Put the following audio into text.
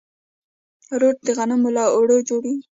روټ د غنمو له اوړو جوړیږي.